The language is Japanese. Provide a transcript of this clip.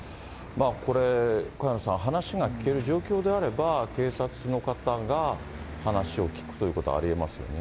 これ、萱野さん、話が聞ける状況であれば、警察の方が話を聞くということはありえますよね。